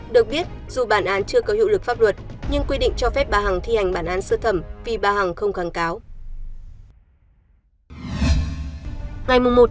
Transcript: được biết dù bản án chưa có hiệu lực pháp luật nhưng quy định cho phép bà hằng thi hành bản án sơ thẩm vì bà hằng không kháng cáo